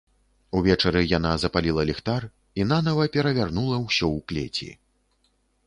Увечары яна запаліла ліхтар і нанава перавярнула ўсё ў клеці.